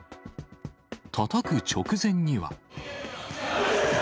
たたく直前には。